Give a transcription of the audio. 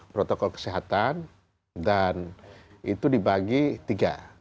protokol kesehatan dan itu dibagi tiga